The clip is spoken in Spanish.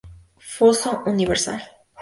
Foso Universal.